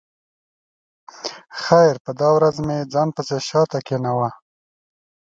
خیر په دا ورځ مې ځان پسې شا ته کېناوه.